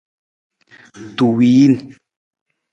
Tuwiin.